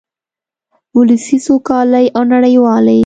ولسي سوکالۍ او نړیوالې